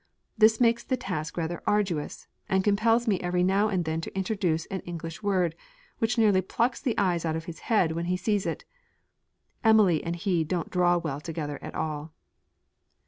This makes the task rather arduous, and compels me every now and then to introduce an English word, which nearly plucks the eyes out of his head when he sees it. Emily and he don't draw well together at all.'